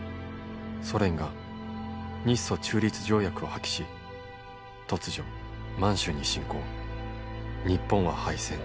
「ソ連が日ソ中立条約を破棄し」「突如満州に侵攻日本は敗戦」